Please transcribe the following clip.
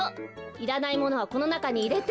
いらないものはこのなかにいれて。